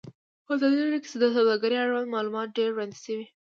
په ازادي راډیو کې د سوداګري اړوند معلومات ډېر وړاندې شوي.